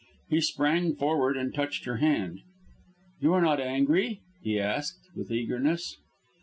He sprang forward and touched her hand. "You are not angry?" he asked, with eagerness.